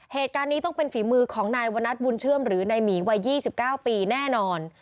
เหตุการณ์นี้ต้องเป็นฝีมือของนายวนัทบุญเชื่อมหรือนายหมีวัย๒๙ปีแน่นอน